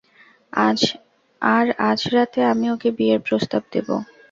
আর আজ রাতে আমি ওকে বিয়ের প্রস্তাব দেবো।